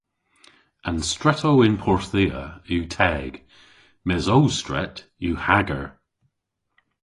An stretow yn Porthia yw teg mes ow stret yw hager.